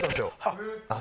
あっ！